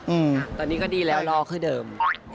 อื้อตอนนี้ก็ดีแล้วล้อก็เดิม